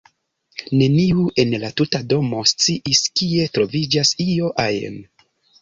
Neniu en la tuta domo sciis, kie troviĝas io ajn.